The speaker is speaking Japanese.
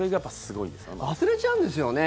忘れちゃうんですよね。